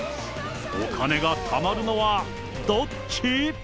お金がたまるのは、どっち？